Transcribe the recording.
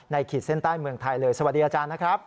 ขีดเส้นใต้เมืองไทยเลยสวัสดีอาจารย์นะครับ